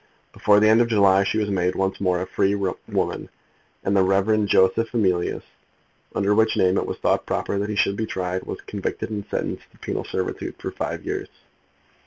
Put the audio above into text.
Before the end of July she was made once more a free woman, and the Rev. Joseph Emilius, under which name it was thought proper that he should be tried, was convicted and sentenced to penal servitude for five years.